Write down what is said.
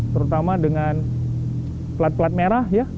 terutama dengan plat plat merah ya